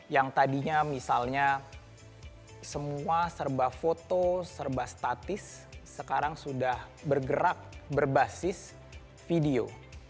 yang tadinya misalnya semua serba foto serba statis sekarang sudah bergerak berbasis video